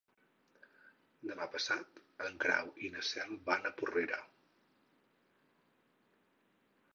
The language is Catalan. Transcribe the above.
Demà passat en Grau i na Cel van a Porrera.